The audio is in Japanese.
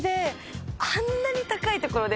あんなに高いところで。